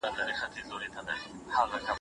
آیا ګورګین مسلمان شوی و؟